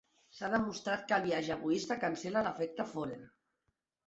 S'ha demostrat que el biaix egoista cancel·la l'efecte Forer.